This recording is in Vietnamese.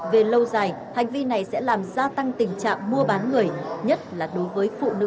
về lâu dài hành vi này sẽ làm gia tăng tình trạng mua bán người nhất là đối với phụ nữ và trẻ em